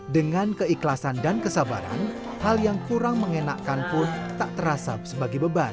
dengan keikhlasan dan kesabaran hal yang kurang mengenakan pun tak terasa sebagai beban